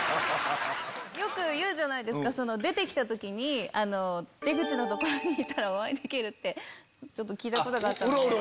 よく言うじゃないですか出て来た時に出口の所にいたらお会いできると聞いたことがあったんで。